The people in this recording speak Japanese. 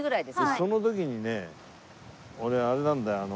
その時にね俺あれなんだよあの。